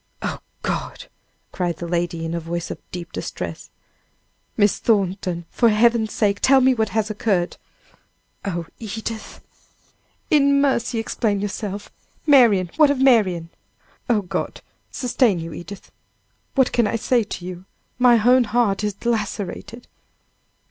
"Oh, God!" cried the lady, in a voice of deep distress, "Miss Thornton! for Heaven's sake! tell me what has occurred!" "Oh, Edith!" "In mercy, explain yourself Marian! what of Marian?" "Oh, God, sustain you, Edith! what can I say to you? my own heart is lacerated!"